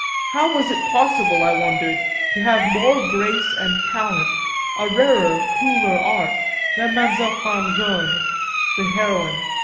How was it possible, I wondered, to have more grace and talent, a rarer, cooler art, than Mademoiselle Fargeuil, the heroine?